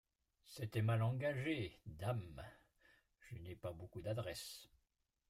C'était mal engagé ; dame ! je n'ai pas beaucoup d'adresse.